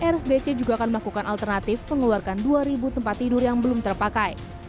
rsdc juga akan melakukan alternatif mengeluarkan dua tempat tidur yang belum terpakai